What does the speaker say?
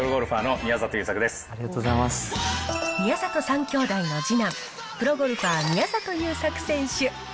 宮里３きょうだいの次男、プロゴルファーの宮里優作選手。